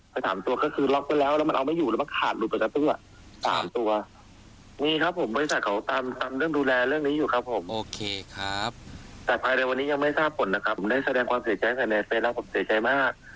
ผมได้แสดงความเสียใจในในเฟสแล้วผมเสียใจมาก